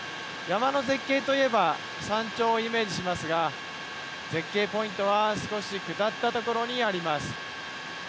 山の絶景といえば山頂をイメージしますが絶景ポイントは少し下った所にあります。